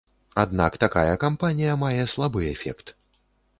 Аднак такая кампанія мае слабы эфект.